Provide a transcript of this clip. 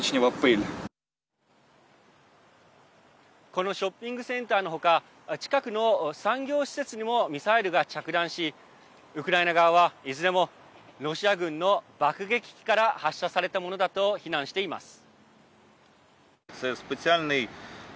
このショッピングセンターのほか近くの産業施設にもミサイルが着弾しウクライナ側は、いずれもロシア軍の爆撃機から発射されたものだと非難しています。